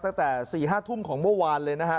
ตั้งแต่๔๕ทุ่มของเมื่อวานเลยนะฮะ